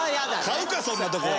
買うかそんなとこ！